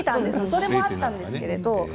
それもあったんですけれども。